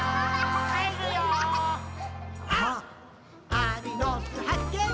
アリの巣はっけん